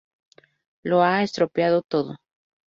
Lo ha estropeado todo.